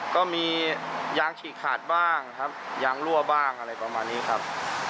ก็มียางฉีกขาดบ้างครับยางรั่วบ้างอะไรประมาณนี้ครับ